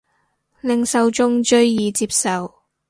令受眾最易接受